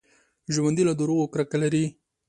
ژوندي له دروغو کرکه لري